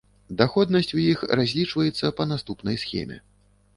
Даходнасць у іх разлічваецца па наступнай схеме.